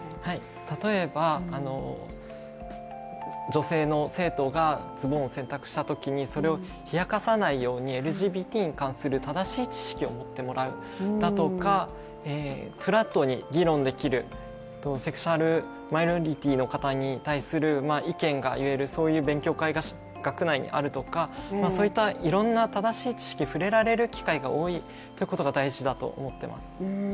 例えば女性の生徒がズボンを選択したときにそれを冷やかさないようにＬＧＢＴに関する正しい知識を持ってもらうだとかフラットに議論できる、セクシャルマイノリティーの方に意見が言える、そういう勉強会が学内にあるとか、そういった、いろんな正しい知識に触れられることが多いというのが大事だと思ってます。